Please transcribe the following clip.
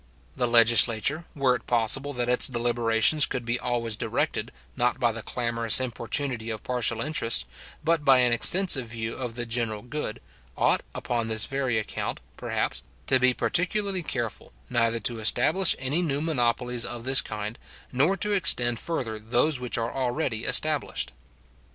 The legislature, were it possible that its deliberations could be always directed, not by the clamorous importunity of partial interests, but by an extensive view of the general good, ought, upon this very account, perhaps, to be particularly careful, neither to establish any new monopolies of this kind, nor to extend further those which are already established.